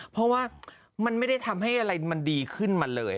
เพราะว่ามันไม่ได้ทำให้อะไรมันดีขึ้นมาเลย